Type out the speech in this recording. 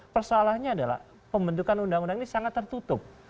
persoalannya adalah pembentukan undang undang ini sangat tertutup